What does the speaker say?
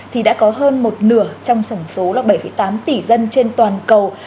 thì đã có hơn một nửa trong sổng số bảy tám tỷ dân trên toàn cầu